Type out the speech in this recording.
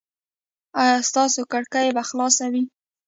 ایا ستاسو کړکۍ به خلاصه نه وي؟